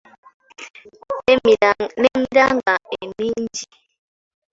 N’emiranga emingi.